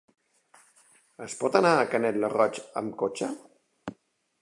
Es pot anar a Canet lo Roig amb cotxe?